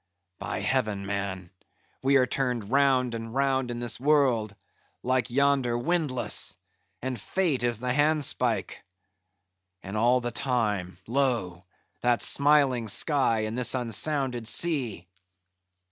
By heaven, man, we are turned round and round in this world, like yonder windlass, and Fate is the handspike. And all the time, lo! that smiling sky, and this unsounded sea!